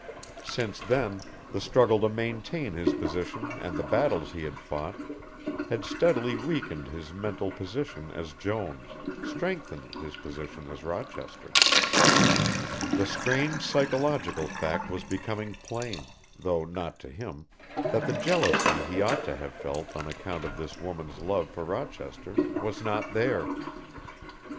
Since then the struggle to maintain his position and the battles he had fought had steadily weakened his mental position as Jones, strengthened his position as Rochester. The strange psychological fact was becoming plain, though not to him, that the jealousy he ought to have felt on account of this woman's love for Rochester was not there.